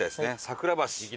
桜橋。